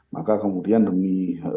maka kemudian demi